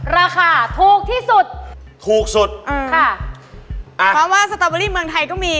ราคาถูกที่สุดถูกสุดอ่าค่ะอ่าเพราะว่าสตอเบอรี่เมืองไทยก็มี